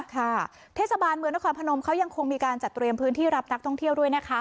เทศบาลเมืองนครพนมเขายังคงมีการจัดเตรียมพื้นที่รับนักท่องเที่ยวด้วยนะคะ